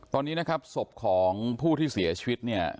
ตอนนี้นะครับศพของผู้ที่เสียชีวิตเนี่ย